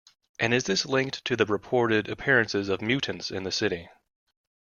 And is this linked to the reported appearances of mutants in the city?